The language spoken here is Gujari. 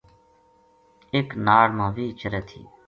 اک ناڑ ما ویہہ چرے تھی